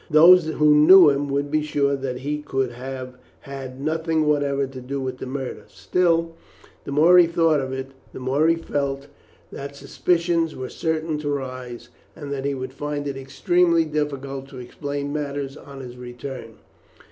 Those who knew him would be sure that he could have had nothing whatever to do with the murder; still, the more he thought of it the more he felt that suspicions were certain to rise, and that he would find it extremely difficult to explain matters on his return.